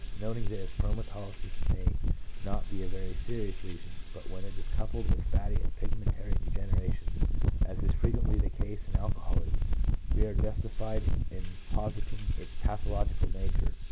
Noting this, chromatolysis may not be a very serious lesion, but when it is coupled with fatty and pigmentary degeneration, as is fre quently the case in alcoholism, we are justified in positing its pathological nature.